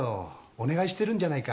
お願いしてるんじゃないか。